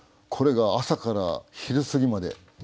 これが朝から昼過ぎまで。